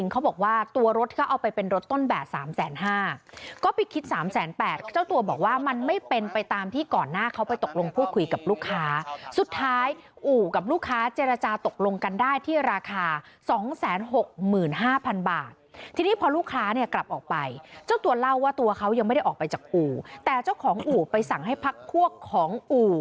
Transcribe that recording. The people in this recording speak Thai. เขาบอกว่าตัวรถเขาเอาไปเป็นรถต้นแบบสามแสนห้าก็ไปคิดสามแสนแปดเจ้าตัวบอกว่ามันไม่เป็นไปตามที่ก่อนหน้าเขาไปตกลงพูดคุยกับลูกค้าสุดท้ายอู่กับลูกค้าเจรจาตกลงกันได้ที่ราคา๒๖๕๐๐บาททีนี้พอลูกค้าเนี่ยกลับออกไปเจ้าตัวเล่าว่าตัวเขายังไม่ได้ออกไปจากอู่แต่เจ้าของอู่ไปสั่งให้พักพวกของอู่